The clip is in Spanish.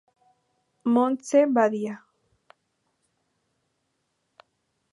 Montse Badia.